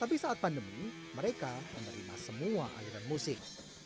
tapi saat pandemi mereka menerima semua aliran musik